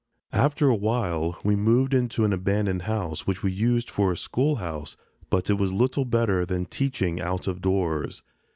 After a while we moved into an abandoned house, which we used for a schoolhouse, but it was little better than teaching out of doors.